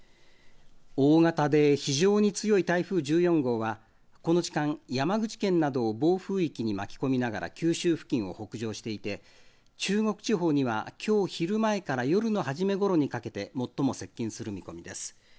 大型で非常に強い台風１４号は、この時間、山口県などを暴風域に巻き込みながら九州付近を北上していて、中国地方には、きょう昼前から夜のはじめごろにかけて最も接近する見込みです。